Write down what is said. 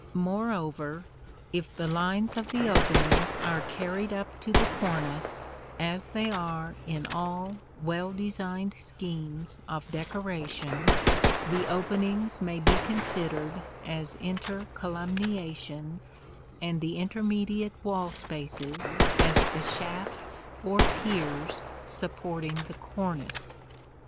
Moreover, if the lines of the openings are carried up to the cornice (as they are in all well designed schemes of decoration), the openings may be considered as intercolumniations and the intermediate wall spaces as the shafts or piers supporting the cornice.